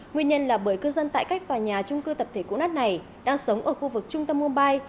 nguyên nhân là bởi cư dân tại các tòa nhà trung cư tập thể cũ nát này đang sống ở khu vực trung tâm mumbai